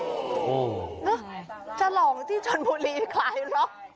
ฉลองที่ชนบุรีคลายล็อก